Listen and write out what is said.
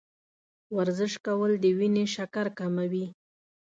ورزش کول د وینې شکر کموي.